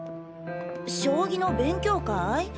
将棋の勉強会？